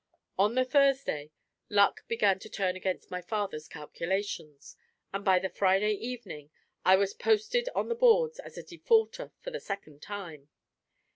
On the Thursday, luck began to turn against my father's calculations; and by the Friday evening, I was posted on the boards as a defaulter for the second time.